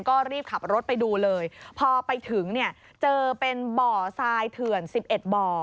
ก็รีบขับรถไปดูเลยพอไปถึงเนี่ยเจอเป็นบ่อทรายเถื่อน๑๑บ่อ